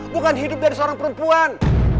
bukan hidup dari seorang perempuan